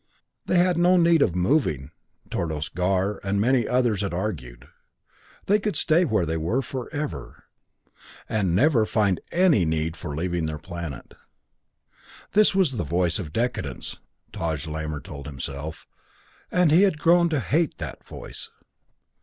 They had no need of moving, Tordos Gar and many others had argued; they could stay where they were forever, and never find any need for leaving their planet. This was the voice of decadence, Taj Lamor told himself; and he had grown to hate that voice.